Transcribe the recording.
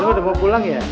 kamu udah mau pulang ya